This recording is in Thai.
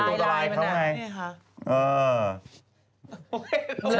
ตัวลายที่เขาไหน